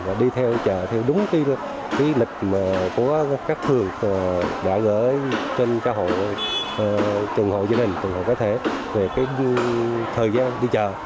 và đi theo trợ theo đúng cái lịch của các thường đã gửi trên trường hội gia đình trường hội cái thể về thời gian đi chợ